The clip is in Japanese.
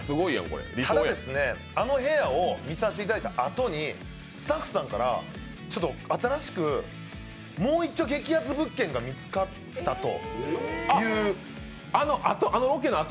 ただ、あの部屋を見させていただいたあとにスタッフさんから、ちょっと新しくもういっちょ激熱物件が見つかったという。